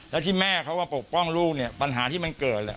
แล้วที่แม่เขามาปกป้องลูกเนี่ยปัญหาที่มันเกิด